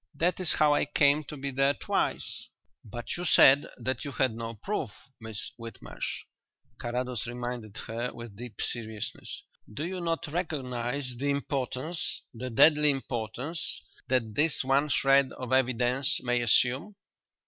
That is how I came to be there twice." "But you said that you had no proof, Miss Whitmarsh," Carrados reminded her, with deep seriousness. "Do you not recognize the importance the deadly importance that this one shred of evidence may assume?"